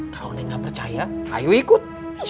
kalau nenek gak percaya ayo ikut